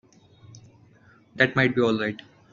That might be all right.